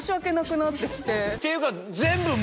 っていうか。